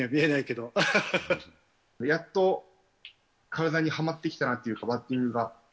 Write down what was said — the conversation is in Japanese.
いや、やっと体にはまってきたなというか、バッティングが。